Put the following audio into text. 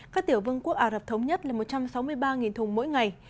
các tiểu vương quốc ả rập thống nhất là một trăm sáu mươi ba thùng mỗi ngày